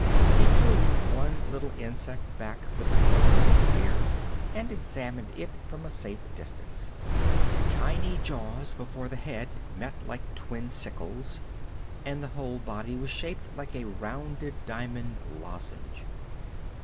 He drew one little insect back with the point of his spear and examined it from a safe distance. Tiny jaws before the head met like twin sickles, and the whole body was shaped like a rounded diamond lozenge.